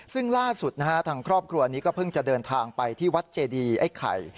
ซึ่งล่าสุดนะฮะทางครอบครัวนี้ก็เพิ่งจะเดินทางไปที่วัดเจดีไอ้ไข่